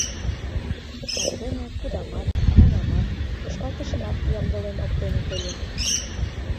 Кастене пудамат, оҥамат, тошкалтышымат ямдылен оптеныт ыле.